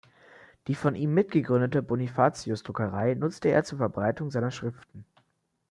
Die von ihm mit gegründete Bonifacius-Druckerei nutzte er zur Verbreitung seiner Schriften.